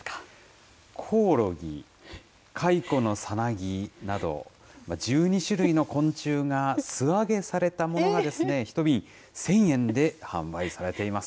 コオロギ、カイコのさなぎなど、１２種類の昆虫が素揚げされたものが、１瓶１０００円で販売されています。